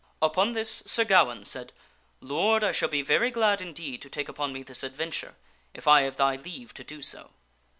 Upon this Sir Gawaine said, " Lord, I shall be very glad indeed to take upon me this adventure if I have thy leave to do so."